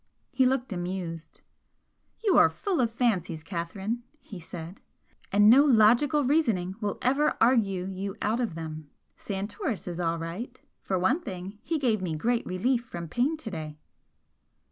He looked amused. "You are full of fancies, Catherine," he said "And no logical reasoning will ever argue you out of them. Santoris is all right. For one thing, he gave me great relief from pain to day."